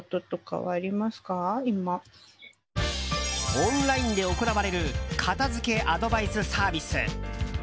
オンラインで行われる片付けアドバイスサービス。